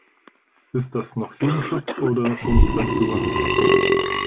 Ist das noch Jugendschutz oder schon Zensur?